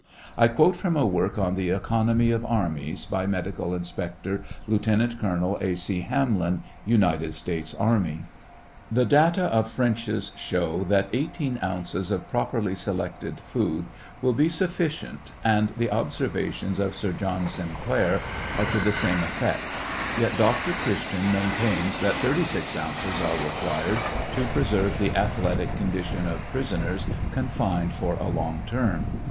I quote from a work on the economy of armies, by medical inspector Lieutenant Colonel A. C. Hamlin, United States army : The data of French's show that 18 ounces of properly selected food will be sufficient, and the observations of Sir John Sinclair are to the same effect, yet Dr. Christison maintains that 36 ounces are required to preserve the athletic condition of prisoners confined fur a long term.